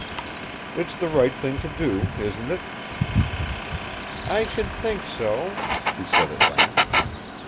"It's the thing to do, isn't it?" "I should think so," she said at last.